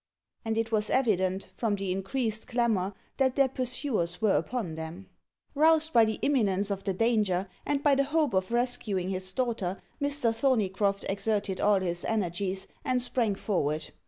And it was evident, from the increased clamour, that their pursuers were upon them. Roused by the imminence of the danger, and by the hope of rescuing his daughter, Mr. Thorneycroft exerted all his energies, and sprang forward.